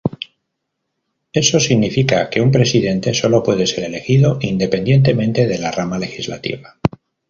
Eso significa que un presidente solo puede ser elegido independientemente de la rama legislativa.